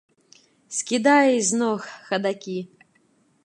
Скідай з ног хадакі!